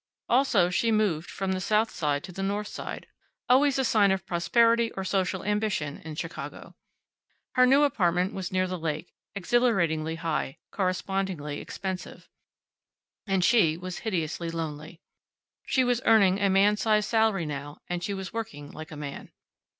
Also she moved from the South side to the North side, always a sign of prosperity or social ambition, in Chicago. Her new apartment was near the lake, exhilaratingly high, correspondingly expensive. And she was hideously lonely. She was earning a man size salary now, and she was working like a man.